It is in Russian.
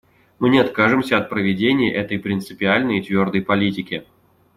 Мы не откажемся от проведения этой принципиальной и твердой политики.